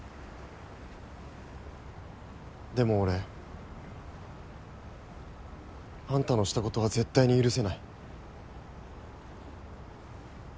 でも俺あんたのしたことは絶対に許せない。